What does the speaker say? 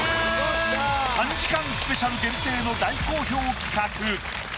３時間スペシャル限定の大好評企画。